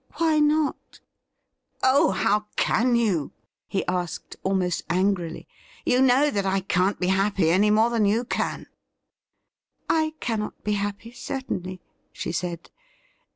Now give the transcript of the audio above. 'Why not.?' ' Oh, how can you .?' he asked, almost angrily. ' You know that I can't be happy any more than you can.' 'I cannot be happy, certainly,' she said.